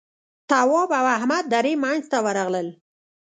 تواب او احمد درې مينځ ته ورغلل.